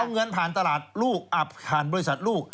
เอาเงินผ่านตลาดลูกอับผ่านบริษัทลูก